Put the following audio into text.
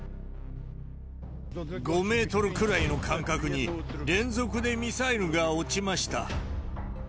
５メートルくらいの間隔に、連続でミサイルが落ちました。